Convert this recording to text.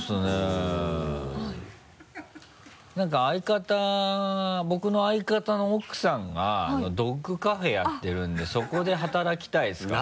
何か僕の相方の奥さんがドッグカフェやってるんでそこで働きたいですかね。